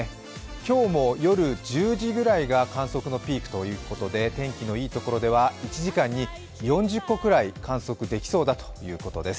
今日も夜１０時ぐらいが観測のピークということで天気のいいところでは１時間に４０個くらい観測できそうだということです。